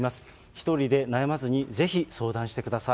１人で悩まずにぜひ相談してくだ